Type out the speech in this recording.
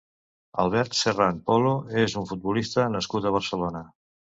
Albert Serrán Polo és un futbolista nascut a Barcelona.